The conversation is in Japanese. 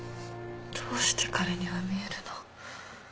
どうして彼には見えるの？